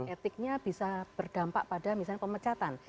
etiknya bisa berdampak pada misalnya pemecatan